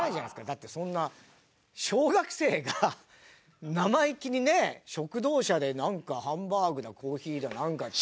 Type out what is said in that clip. だってそんな小学生が生意気にね食堂車でなんかハンバーグだコーヒーだなんかっつって。